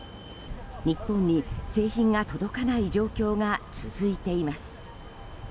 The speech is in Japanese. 日本に製品が届かない状況が続いています。